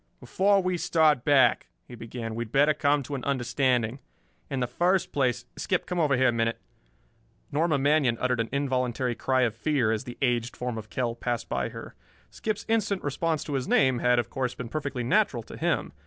"Before we start back," he began, "we had better come to an understanding. In the first place Skip, come over here a minute." Norma Manion uttered an involuntary cry of fear as the aged form of Kell passed by her. Skip's instant response to his name had, of course, been perfectly natural to him.